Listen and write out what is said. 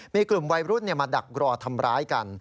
มีกลุ่มวัยรุ่นมาดักรอทำร้ายกัน